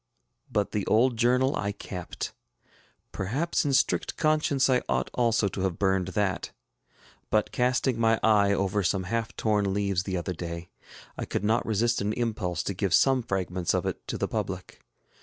But the old journal I kept. Perhaps in strict conscience I ought also to have burned that; but casting my eye over some half torn leaves the other day, I could not resist an impulse to give some fragments of it to the public.